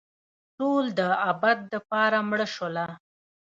ټول دابد دپاره مړه شوله